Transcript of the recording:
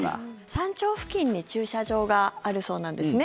山頂付近に駐車場があるそうなんですね。